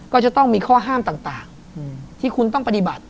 ก็จะต้องมีข้อห้ามต่างที่คุณต้องปฏิบัติ